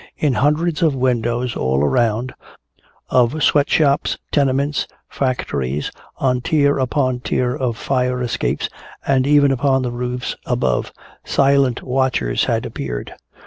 In hundreds of windows all around, of sweatshops, tenements, factories, on tier upon tier of fire escapes and even upon the roofs above, silent watchers had appeared.